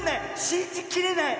しんじきれない！